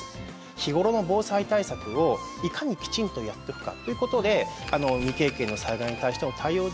日頃の防災対策をいかにきちんとやっておくかということで未経験の災害に対しての対応できるための環境をつくると。